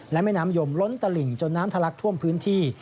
และแม่น้ำยมล้นตลิ่งจนน้ำทะลักท่วมพื้นที่